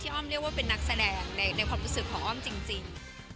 อ้อมเรียกว่าเป็นนักแสดงในความรู้สึกของอ้อมจริง